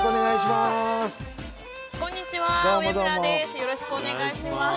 よろしくお願いします。